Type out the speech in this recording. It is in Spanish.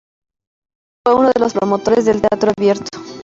Fue uno de los promotores del Teatro Abierto.